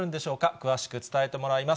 詳しく伝えてもらいます。